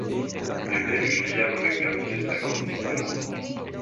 Eble ŝi jam rekaptis la konscion.